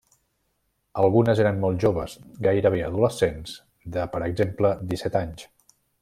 Algunes eren molt joves, gairebé adolescents, de, per exemple, disset anys.